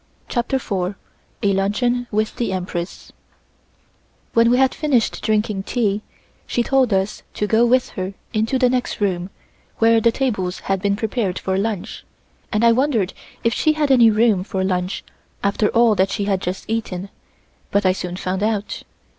CHAPTER FOUR A LUNCHEON WITH THE EMPRESS WHEN we had finished drinking tea, she told us to go with her into the next room, where the tables had been prepared for lunch, and I wondered if she had any room for lunch, after all that she had just eaten, but I soon found out.